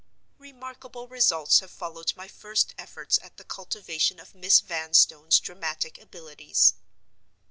Remarkable results have followed my first efforts at the cultivation of Miss Vanstone's dramatic abilities.